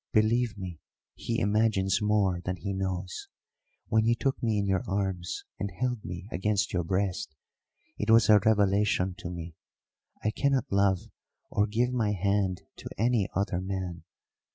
Believe me, he imagines more than he knows. When you took me in your arms and held me against your breast it was a revelation to me. I cannot love or give my hand to any other man.